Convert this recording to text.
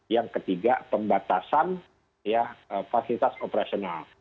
yang ketiga pembatasan fasilitas operasional